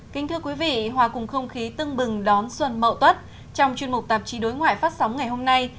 kính thưa quý vị hòa cùng không khí tưng bừng đón xuân mậu tuất trong chuyên mục tạp chí đối ngoại phát sóng ngày hôm nay